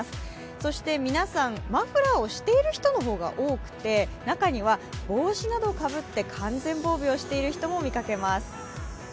そして皆さん、マフラーをしている人の方が多くて、中には帽子などをかぶって完全防備をしている人も見かけます。